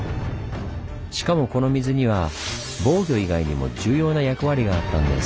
しかもこの水には防御以外にも重要な役割があったんです。